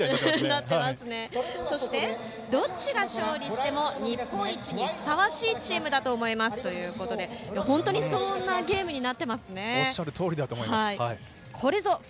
そして、どっちが勝利しても日本一にふさわしいチームだと思いますということで本当にそんなゲームになっていますね。